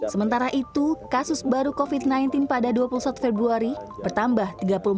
sementara itu kasus baru covid sembilan belas pada dua puluh satu februari bertambah tiga puluh empat